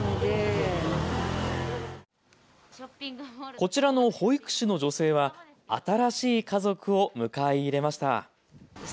こちらの保育士の女性は新しい家族を迎え入れました。